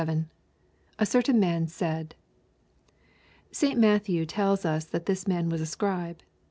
— [A certoMi nian said,] St. Matthew tells us that this man was a scribe.